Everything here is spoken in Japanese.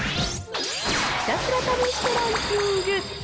ひたすら試してランキング。